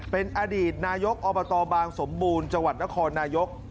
เป็นอดีตนายกอบตบางสมบูรณ์จังหวัดนครนายก